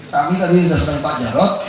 kami tadi sudah sempat jarok